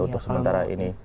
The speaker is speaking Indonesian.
untuk sementara ini